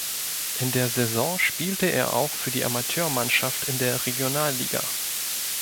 In der Saison spielte er auch für die Amateurmannschaft in der Regionalliga.